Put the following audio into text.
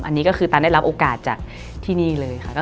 อันนี้ก็คือตันได้รับโอกาสจากที่นี่เลยค่ะ